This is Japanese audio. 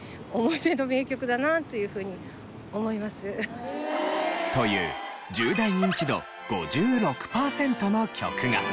やはりという１０代ニンチド５６パーセントの曲が。